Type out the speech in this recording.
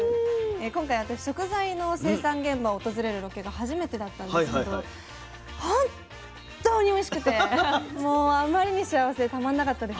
今回私食材の生産現場を訪れるロケが初めてだったんですけどほんとにおいしくてもうあまりに幸せでたまんなかったです。